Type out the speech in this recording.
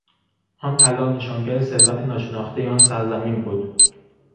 آن طلا نشانگر ثروت ناشناختهی آن سرزمین بود.